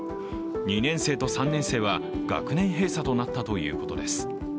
２年生と３年生は学年閉鎖となったということです。